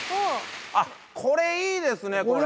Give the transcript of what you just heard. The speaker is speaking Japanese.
あっこれいいですねこれ。